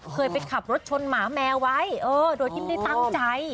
เคยไปขับรถชนหมาแมวไว้โดยที่ไม่ได้ตั้งใจ